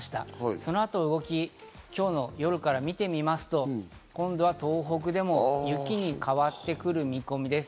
その後の動き、今日の夜から見てみますと、今度は東北でも雪に変わってくる見込みです。